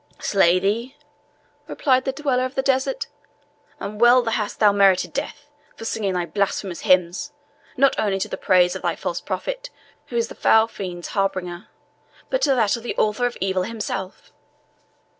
"Slay thee!" replied the dweller of the desert; "and well hast thou merited death, for singing thy blasphemous hymns, not only to the praise of thy false prophet, who is the foul fiend's harbinger, but to that of the Author of Evil himself."